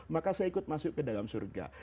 maka saya ikut masuk ke dalam surga